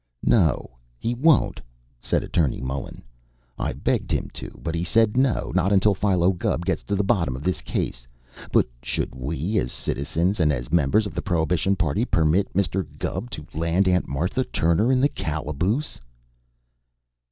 "No, he won't!" said Attorney Mullen. "I begged him to, but he said, 'No! Not until Philo Gubb gets to the bottom of this case.' But should we, as citizens, and as members of the Prohibition Party, permit you, Mr. Gubb, to land Aunt Martha Turner in the calaboose?"